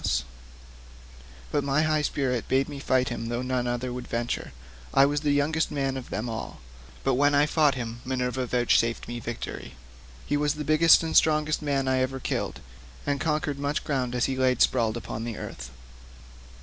The others quaked and quailed, but my high spirit bade me fight him though none other would venture; I was the youngest man of them all; but when I fought him Minerva vouchsafed me victory. He was the biggest and strongest man that ever I killed, and covered much ground as he lay sprawling upon the earth.